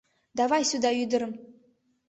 «Давай сюда ӱдырым!»